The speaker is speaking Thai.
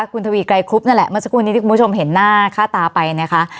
คุณทวีไกรครุบนั่นแหละเมื่อสักครู่นี้ที่คุณผู้ชมเห็นหน้าค่าตาไปนะคะ